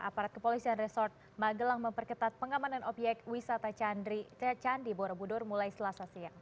aparat kepolisian resort magelang memperketat pengamanan objek wisata candi borobudur mulai setelah sasiang